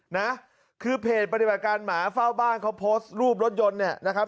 นะคือเพจปฏิบัติการหมาเฝ้าบ้านเขาโพสต์รูปรถยนต์เนี่ยนะครับ